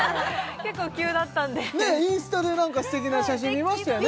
結構急だったんでインスタで素敵な写真見ましたよね